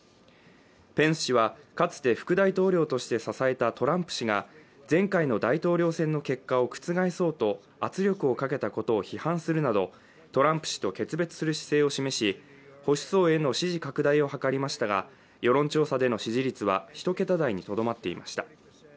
ペンス氏は、かつて副大統領として支えたトランプ氏が前回の大統領選の結果を覆そうと圧力をかけたことを批判するなどトランプ氏と決別する姿勢を示し保守層への支持拡大を図りましたが世論調査での支持率は１桁台にとどまっていました。